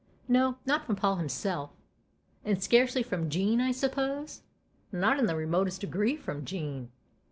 " No not from Paul himself." "And scarcely from Jean, I suppose ?"" Not in the remotest degree from Jean."